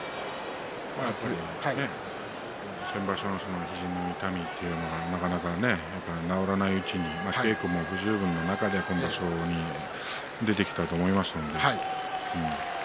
先場所の左肘の痛みというのがなかなか治らないうちに稽古も不十分な中で出てきたと思いますが。